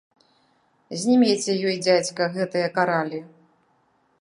Знімеце ёй, дзядзька, гэтыя каралі.